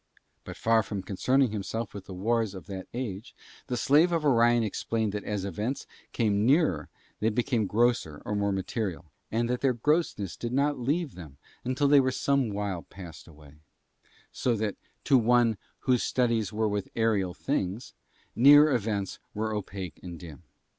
But far from concerning himself with the wars of that age, the Slave of Orion explained that as events came nearer they became grosser or more material, and that their grossness did not leave them until they were some while passed away; so that to one whose studies were with aetherial things, near events were opaque and dim.